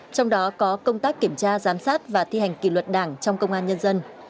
trong đó có công tác kiểm tra giám sát và thi hành kỷ luật đảng trong công an nhân dân